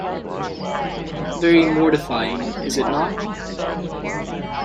Very mortifying, is it not?